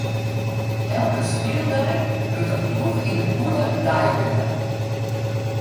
Elke spyldei wurdt in ploech yn de pûle deiwinner.